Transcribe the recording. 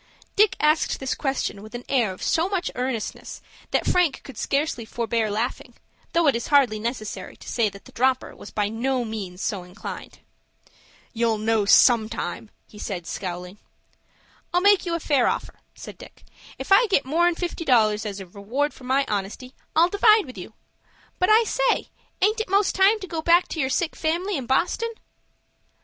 Dick asked this question with an air of so much earnestness that Frank could scarcely forbear laughing, though it is hardly necessary to say that the dropper was by no means so inclined. "You'll know sometime," he said, scowling. "I'll make you a fair offer," said Dick. "If I get more'n fifty dollars as a reward for my honesty, I'll divide with you. But I say, aint it most time to go back to your sick family in Boston?"